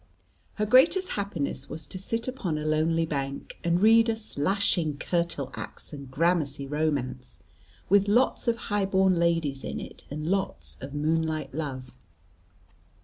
Her greatest happiness was to sit upon a lonely bank, and read a slashing curtel axe and gramercy romance, with lots of high born ladies in it, and lots of moonlight love.